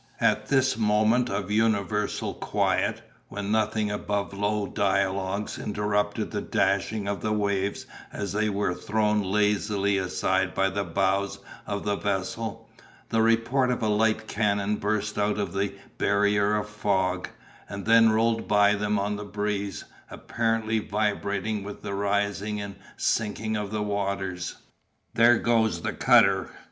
At this moment of universal quiet, when nothing above low dialogues interrupted the dashing of the waves as they were thrown lazily aside by the bows of the vessel, the report of a light cannon burst out of the barrier of fog, and then rolled by them on the breeze, apparently vibrating with the rising and sinking of the waters. "There goes the cutter!"